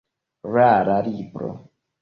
Rara libro.